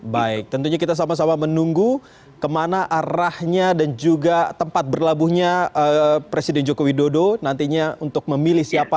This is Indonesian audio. baik tentunya kita sama sama menunggu kemana arahnya dan juga tempat berlabuhnya presiden joko widodo nantinya untuk memilih siapa